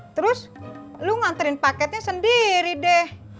terus lu nganterin paketnya sendiri deh